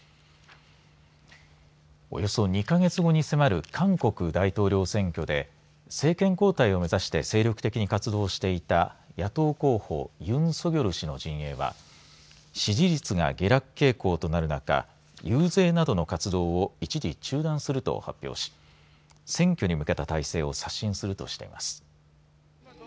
およそ２か月後に迫る韓国大統領選挙で政権交代を目指して精力的に活動していた野党候補ユン・ソギュル氏の陣営は支持率が下落傾向となる中遊説などの活動を一時中断すると発表し選挙に向けた態勢を刷新するとしています。